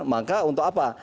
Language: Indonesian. maka untuk apa